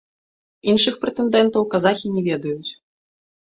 Іншых прэтэндэнтаў казахі не ведаюць.